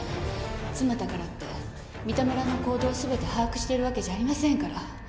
妻だからって三田村の行動を全て把握してるわけじゃありませんから。